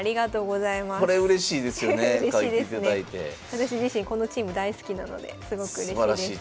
私自身このチーム大好きなのですごくうれしいです。